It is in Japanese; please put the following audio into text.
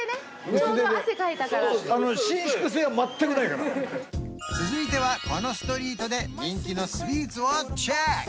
ちょうど汗かいたから伸縮性は全くないから続いてはこのストリートで人気のスイーツをチェック